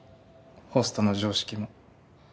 ホストの常識も。